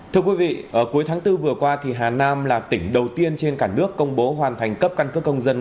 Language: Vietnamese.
thưa quý vị cuối tháng bốn vừa qua hà nam là tỉnh đầu tiên trên cả nước công bố hoàn thành cấp căn cước công dân